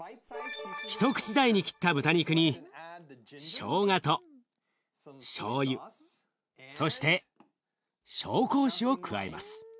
一口大に切った豚肉にしょうがとしょうゆそして紹興酒を加えます。